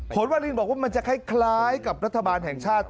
วาลินบอกว่ามันจะคล้ายกับรัฐบาลแห่งชาติ